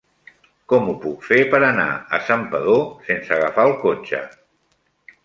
Com ho puc fer per anar a Santpedor sense agafar el cotxe?